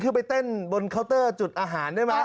คือไปเต้นบนเคาน์เตอร์จุดอาหารได้ไหม